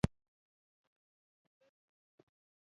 خاص مزیت ګڼي.